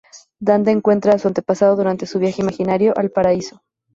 Dante encuentra a su antepasado durante su viaje imaginario al "Paraíso".